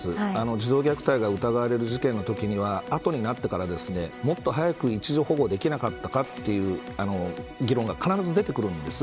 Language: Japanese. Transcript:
児童虐待が疑われる事件のときにはあとになってからもっと早く一時保護できなかったかという議論が必ず出てくるんです。